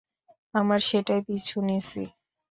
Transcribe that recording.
আমার সেটাই পিছু নিছি।